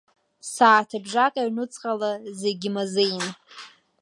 Сааҭыбжак аҩныҵҟала зегьы мазеин.